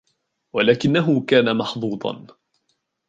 ولكنهُ كان محظوظاً.